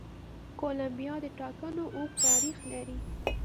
کولمبیا د ټاکنو اوږد تاریخ لري.